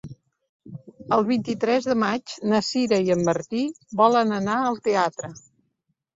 El vint-i-tres de maig na Sira i en Martí volen anar al teatre.